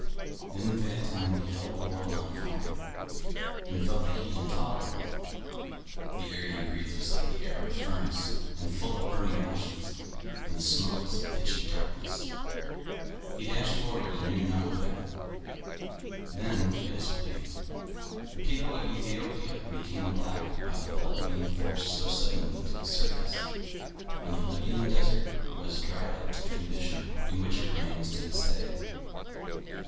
Then Phaeton beheld the world on fire, and felt the heat intolerable. The air he breathed was like the air of a furnace and full of burning ashes, and the smoke was of a pitchy darkness. He dashed forward he knew not whither. Then, it is believed, the people of Aethiopia became black by the blood being forced so suddenly to the surface, and the Libyan desert was dried up to the condition in which it remains to this day.